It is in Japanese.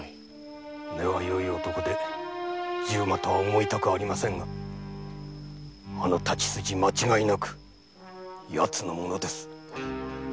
根は良い男で十馬とは思いたくありませんがあの太刀筋間違いなくヤツのものです。